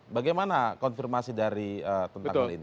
bagaimana konfirmasi dari tentang hal ini